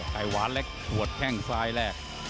ไข่ว้าร็แรมกุลตรงแข่งทรายแลง